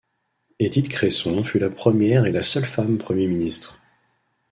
Édith Cresson fut la première et la seule femme Premier ministre.